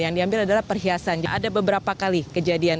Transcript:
yang diambil adalah perhiasannya ada beberapa kali kejadian